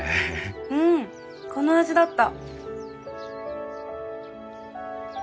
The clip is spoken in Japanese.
うんこの味だった。